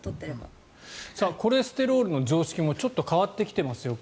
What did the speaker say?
コレステロールの常識もちょっと変わってきてますと。